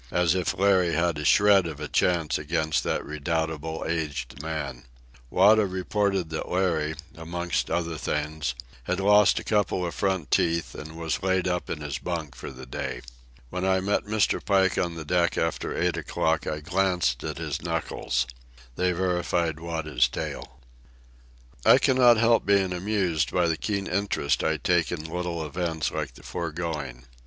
As if Larry had the shred of a chance against that redoubtable aged man! Wada reported that Larry, amongst other things, had lost a couple of front teeth and was laid up in his bunk for the day. When I met Mr. Pike on deck after eight o'clock I glanced at his knuckles. They verified Wada's tale. I cannot help being amused by the keen interest I take in little events like the foregoing.